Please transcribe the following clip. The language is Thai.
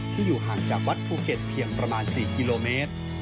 อยู่ห่างจากวัดภูเก็ตเพียงประมาณ๔กิโลเมตร